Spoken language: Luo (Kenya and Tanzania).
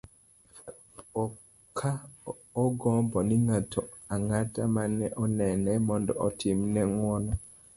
ka ogombo ni ng'ato ang'ata mane onene mondo otim ne ng'uono